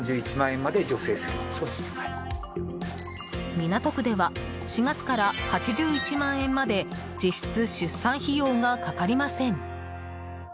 港区では、４月から８１万円まで実質、出産費用がかかりません。